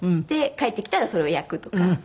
で帰ってきたらそれを焼くとか。